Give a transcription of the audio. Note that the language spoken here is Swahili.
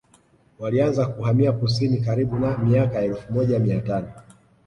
Walianza kuhamia kusini karibu na miaka ya elfu moja mia tano